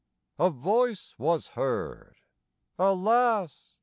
A Voice was heard: "Alas!